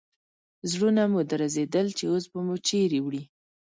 زړونه مو درزېدل چې اوس به مو چیرې وړي.